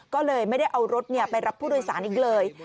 ก็เลยไม่ได้เอารถไปรับผู้โดยสารอีกเลย